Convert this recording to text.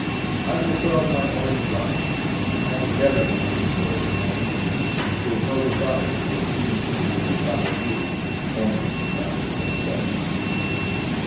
I will put on my own garment. I am never the worse for it, man; and 'tis no dishonour when he who would dishonour you, only dishonours himself."